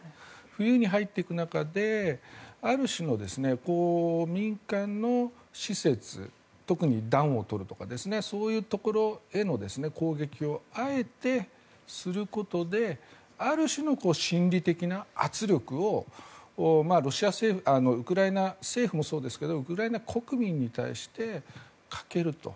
冬に入っていく中である種の民間の施設特に暖を取るとかそういうところへの攻撃をあえてすることである種の心理的な圧力をウクライナ政府もそうですがウクライナ国民に対してかけると。